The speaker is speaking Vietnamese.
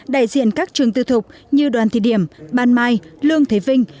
đại diện các trường tư thục như đoàn thị điểm ban mai lương thế vinh